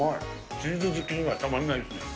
チーズ好きにはたまんないですね。